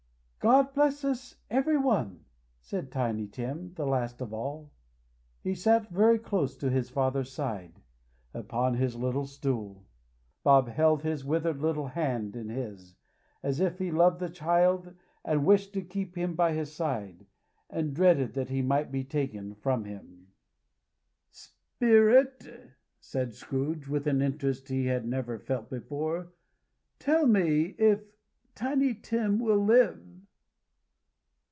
"God bless us, every one!" said Tiny Tim, the last of all. He sat very close to his father's side, upon his little stool. Bob held his withered little hand in his, as if he loved the child and wished to keep him by his side, and dreaded that he might be taken from him. "Spirit," said Scrooge, with an interest he had never felt before, "tell me if Tiny Tim will live."